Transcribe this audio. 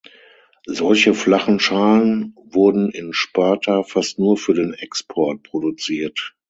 Solche flachen Schalen wurden in Sparta fast nur für den Export produziert.